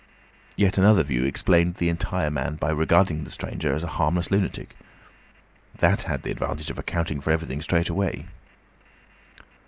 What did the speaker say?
Yet another view explained the entire matter by regarding the stranger as a harmless lunatic. That had the advantage of accounting for everything straight away.